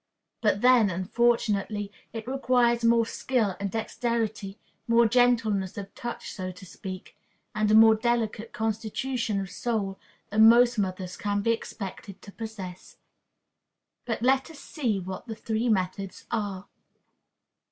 But then, unfortunately, it requires more skill and dexterity, more gentleness of touch, so to speak, and a more delicate constitution of soul, than most mothers can be expected to possess. But let us see what the three methods are.